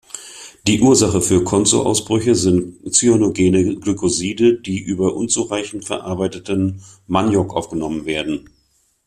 Die Ursache für Konzo-Ausbrüche sind cyanogene Glycoside, die über unzureichend verarbeiteten Maniok aufgenommen werden.